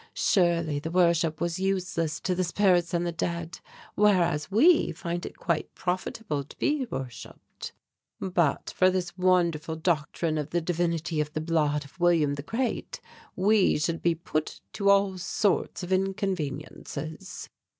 Surely the worship was useless to the spirits and the dead, whereas we find it quite profitable to be worshipped. But for this wonderful doctrine of the divinity of the blood of William the Great we should be put to all sorts of inconveniences."